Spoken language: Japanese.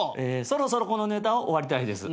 そろそろこのネタを終わりたいです。